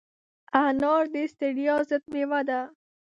انار د ستړیا ضد مېوه ده.